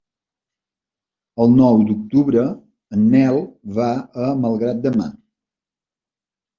El nou d'octubre en Nel va a Malgrat de Mar.